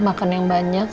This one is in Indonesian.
makan yang banyak